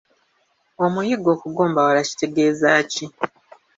Omuyiggo okugombawala kitegeeza ki?